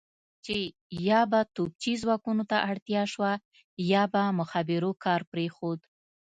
چې یا به توپچي ځواکونو ته اړتیا شوه یا به مخابرو کار پرېښود.